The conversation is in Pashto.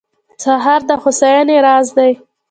سهار د هوساینې راز دی.